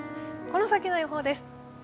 この先の予報です。